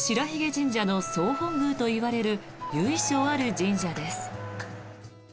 神社の総本宮といわれる由緒ある神社です。